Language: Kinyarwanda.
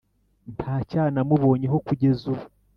nta cyaha namubonyeho kugeza ubu